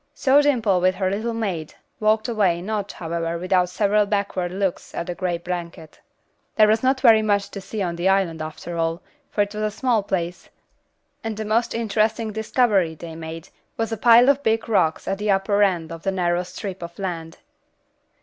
So Dimple with her little maid, walked away, not, however, without several backward looks at the grey blanket. There was not very much to see on the island, after all, for it was a small place, and the most interesting discovery they made was a pile of big rocks at the upper end of the narrow strip of land.